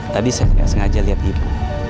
tadi saya gak sengaja lihat ibu